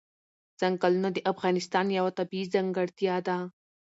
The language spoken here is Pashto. ځنګلونه د افغانستان یوه طبیعي ځانګړتیا ده.